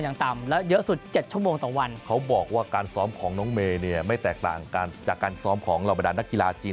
อย่างต่ำแล้วเยอะสุด๗ชั่วโมงต่อวันเขาบอกว่าการซ้อมของน้องเมเนี่ยไม่แตกต่างจากการซ้อมของคราวบรรดานลักษณะจีลาชีพ